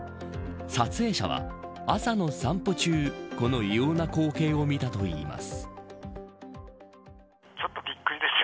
撮影者は朝の散歩中、この異様な光景を見たといいます。